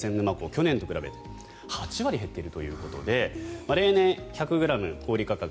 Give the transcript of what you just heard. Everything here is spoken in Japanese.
去年と比べて８割減っているということで例年１００ｇ小売価格